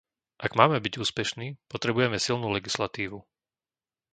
Ak máme byť úspešní, potrebujeme silnú legislatívu.